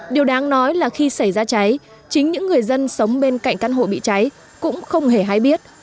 điều đáng nói là khi xảy ra cháy chính những người dân sống bên cạnh căn hộ bị cháy cũng không hề hay biết